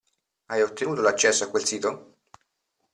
Hai ottenuto l'accesso a quel sito?